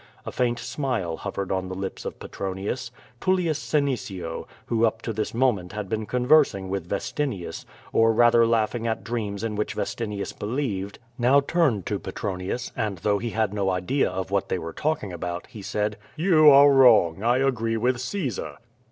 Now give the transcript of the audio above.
A faint smile hovered on the lips of Petronius. TuUius Senecio, who up to this moment had been conversing with Vestinius, or rather laughing at dreams in which Vestinius believed, now turned to Petronius, and though he had no idea of what they were talking about, he said: "You are wrong; I agree with Caesar.''